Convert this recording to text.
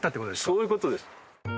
そういう事です。